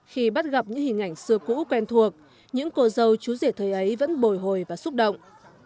khi bắt gặp những hình ảnh xưa cũ quen thuộc những cô dâu chú rể thời ấy vẫn bồi hồi và xúc động